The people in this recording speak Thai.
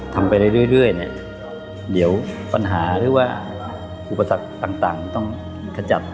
ทำไปเรื่อยเนี่ยเดี๋ยวปัญหาหรือว่าอุปสรรคต่างต้องขจัด